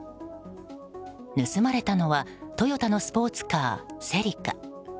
盗まれたのはトヨタのスポーツカー、セリカ。